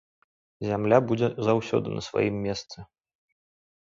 Зямля будзе заўсёды на сваім месцы.